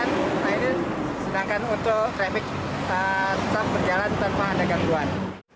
nah ini sedangkan untuk remix tetap berjalan tanpa ada gangguan